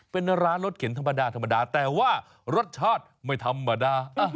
เป็นร้านรสเข็นธรรมดาธรรมดาแต่ว่ารสชาติไม่ธรรมดา